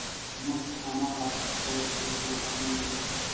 موږ په هماغه تهکوي کې پټ وو او منډې وې